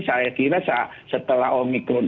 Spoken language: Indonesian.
saya kira setelah omikron